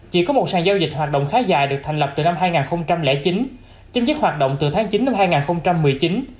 chỉ có một sàn giao dịch hoạt động khá dài được thành lập từ năm hai nghìn chín chấm dứt hoạt động từ tháng chín năm hai nghìn một mươi chín